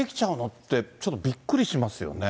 って、ちょっとびっくりしますよね。